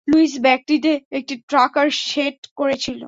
Luis ব্যাগটিতে একটি tracker set করেছিল।